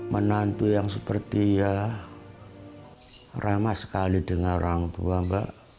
menantu yang seperti ya ramah sekali dengan orang tua mbak